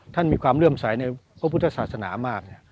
ท่านมีความเลื่อมใสในพระพุทธศาสนามาก